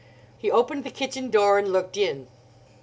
He opened the kitchen door and looked in.